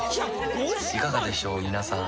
いかがでしょうみなさん。